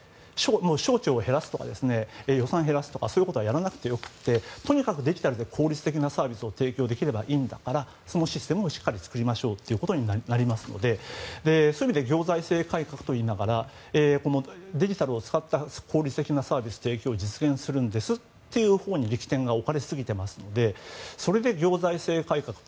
省庁を減らすとか予算を減らすとかそういうことはやらなくてよくてとにかくデジタルで効率的なサービスを提供できればいいんだからそのシステムをしっかり作りましょうとなるのでそういう意味で行財政改革といいながらデジタルを使った効率的なサービス提供を実現するんですというほうに力点が置かれすぎているのでそれで行財政改革って